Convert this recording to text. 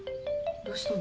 どうしたの？